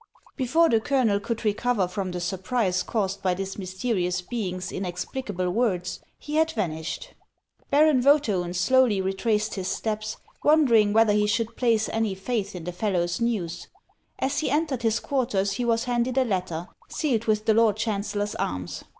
Before the colonel could recover from the surprise caused by this mysterious being's inexplicable words, he had vanished. Baron Vcethaiin slowly retraced his steps, wondering whether he should place any faith in the fellow's news. As he entered his quarters, he was handed a letter, sealed with the lord chancellor's arms.